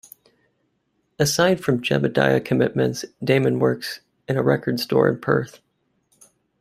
Aside from Jebediah commitments, Daymond works in a record store in Perth.